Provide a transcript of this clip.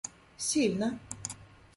сильно